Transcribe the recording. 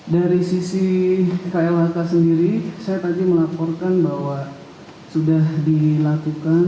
dari sisi klhk sendiri saya tadi melaporkan bahwa sudah dilakukan